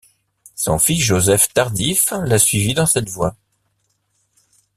Son fils Joseph Tardif l’a suivi dans cette voie.